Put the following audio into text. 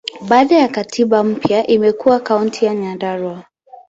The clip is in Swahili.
Baada ya katiba mpya, imekuwa Kaunti ya Nyandarua.